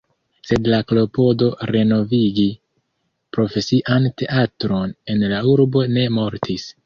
Sed la klopodo renovigi profesian teatron en la urbo ne mortis.